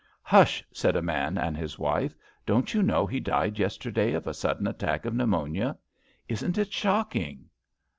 Hush! '^ said a man and his wife. Don't you know he died yesterday of a sudden attack of pneumonia? Isn't it shocking?